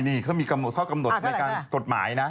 นี่เขามีกำหนดในการกฎหมายนะ